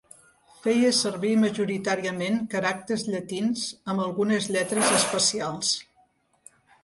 Feia servir majoritàriament caràcters llatins amb algunes lletres especials.